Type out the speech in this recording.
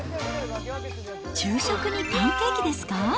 昼食にパンケーキですか。